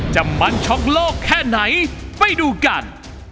จะมันช็อกโลกแค่ไหนไปดูกัน